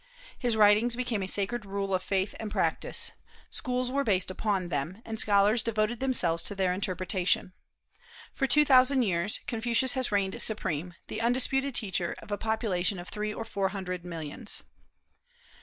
His writings became a sacred rule of faith and practice; schools were based upon them, and scholars devoted themselves to their interpretation. For two thousand years Confucius has reigned supreme, the undisputed teacher of a population of three or four hundred millions.